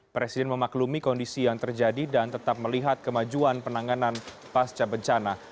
presiden memaklumi kondisi yang terjadi dan tetap melihat kemajuan penanganan pasca bencana